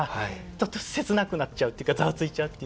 ちょっと切なくなっちゃうっていうかザワついちゃうっていうか。